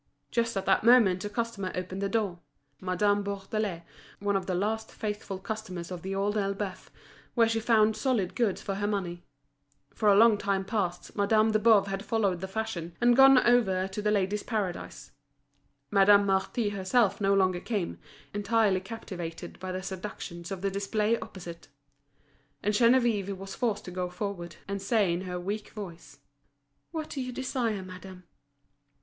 Just at that moment a customer opened the door—Madame Bourdelais, one of the last faithful customers of The Old Elbeuf, where she found solid goods for her money; for a long time past Madame de Boves had followed the fashion, and gone over to The Ladies' Paradise; Madame Marty herself no longer came, entirely captivated by the seductions of the display opposite. And Geneviève was forced to go forward, and say in her weak voice: "What do you desire, madame?"